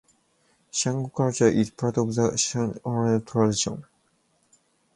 Chango culture is part of the Chinchorro tradition.